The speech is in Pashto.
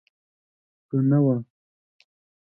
که نه وه.